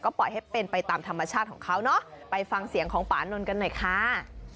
ปล่อยให้เป็นไปตามธรรมชาติของเขาเนอะไปฟังเสียงของปานนท์กันหน่อยค่ะ